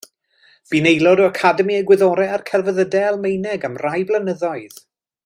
Bu'n aelod o Academi y Gwyddorau a'r Celfyddydau Almaeneg am rai blynyddoedd.